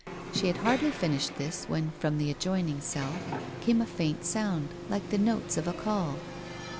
She had hardly finished this when from the adjoining cell came a faint sound, like the notes of a call.